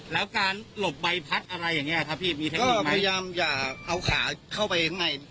แล้วการหลบใบพัดอะไรอย่างนี้ครับพี่มีเทคนิคไหมพยายามอย่าเอาขาเข้าไปข้างใน